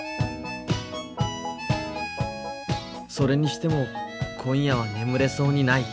それにしても今夜は眠れそうにない